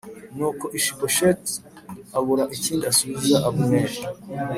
Nuko ishibosheti abura ikindi asubiza abuneri